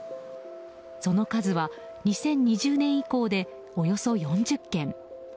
その数は、２０２０年以降でおよそ４０件。